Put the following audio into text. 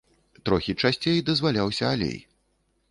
Трохі часцей дазваляўся алей.